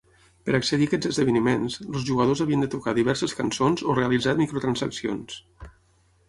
Per accedir a aquests esdeveniments, els jugadors havien de tocar diverses cançons o realitzar microtransaccions.